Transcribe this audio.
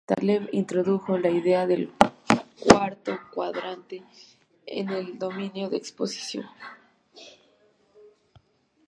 Taleb introdujo la idea del "cuarto cuadrante" en el dominio de exposición.